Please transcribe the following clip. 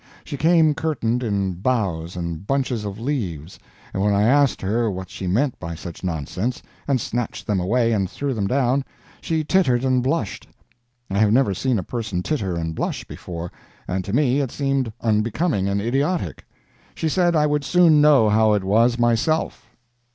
She came curtained in boughs and bunches of leaves, and when I asked her what she meant by such nonsense, and snatched them away and threw them down, she tittered and blushed. I had never seen a person titter and blush before, and to me it seemed unbecoming and idiotic. She said I would soon know how it was myself.